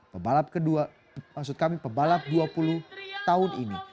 pembalap kedua maksud kami pebalap dua puluh tahun ini